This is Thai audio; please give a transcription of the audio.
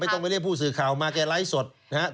ไม่ต้งมาเรียกผู้สืบข่าวมาแกไลฟ์สด